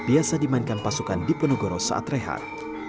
biasa dimainkan pasukan dipenuh goro saat rehat